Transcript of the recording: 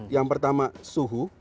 yang pertama suhu